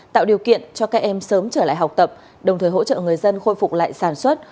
tạo điều kiện cho các em sớm trở lại học tập đồng thời hỗ trợ người dân khôi phục lại sản xuất